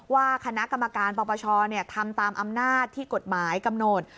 ว่าคณะกรรมการปปชทำตามอำนาจที่กฎหมายกำหนด